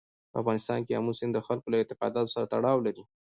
په افغانستان کې آمو سیند د خلکو له اعتقاداتو سره تړاو لري.